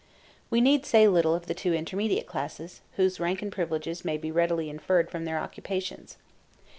We need say little of the two intermediate classes, whose rank and privileges may be readily inferred from their occupations.